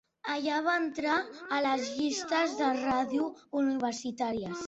Allà va entrar a les llistes de ràdio universitàries.